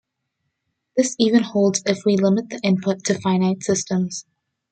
This even holds if we limit the input to finite systems.